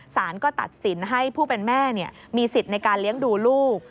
สารก็ตัดสินให้ผู้เป็นแม่มีสิทธิ์ในการเลี้ยงดูลูก